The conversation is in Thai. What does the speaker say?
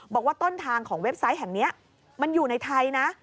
บอกว่าต้นทางของเว็บไซต์แห่งนี้มันอยู่ในไทยนะ